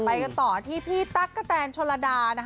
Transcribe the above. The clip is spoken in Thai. ไปกันต่อที่พี่ต๊ากกะแทนชลดา